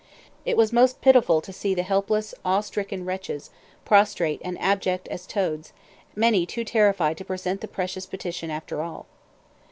It was most pitiful to see the helpless, awe stricken wretches, prostrate and abject as toads, many too terrified to present the precious petition after all.